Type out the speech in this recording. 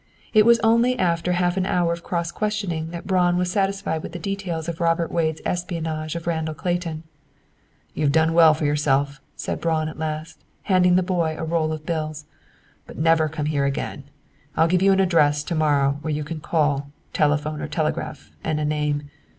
It was only after half an hour of cross questioning that Braun was satisfied with the details of Robert Wade's espionage of Randall Clayton. "You've done well, for yourself," said Braun, at last, handing the boy a roll of bills. "But never come here again. I'll give you an address to morrow where you can call, telephone or telegraph, and a name.